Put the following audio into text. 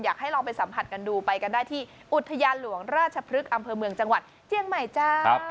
อยากให้ลองไปสัมผัสกันดูไปกันได้ที่อุทยานหลวงราชพฤกษ์อำเภอเมืองจังหวัดเจียงใหม่จ้า